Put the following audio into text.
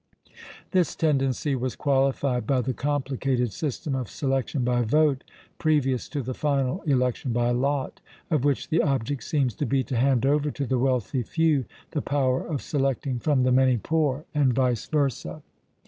This tendency was qualified by the complicated system of selection by vote, previous to the final election by lot, of which the object seems to be to hand over to the wealthy few the power of selecting from the many poor, and vice versa.